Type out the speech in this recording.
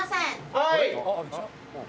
はい。